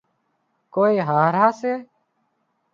ڪوئي هاۯا سي